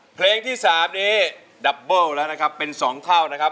เพลงที่สามนี่ดับเบอร์ว์แล้วนะครับเป็นสองคร่าวนะครับ